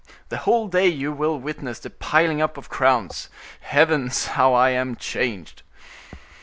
The whole day you will witness the piling up of crowns. Heavens! how I am changed!"